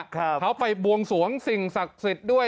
เขาไปบวงสวงสิ่งศักดิ์สิทธิ์ด้วย